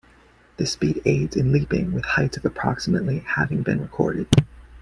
This speed aids in leaping, with heights of approximately having been recorded.